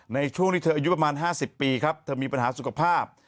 ในช่วงที่เธออายุประมาณ๕๐ปีครับเธอมีปัญหาสุขภาพ